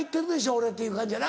俺っていう感じやな。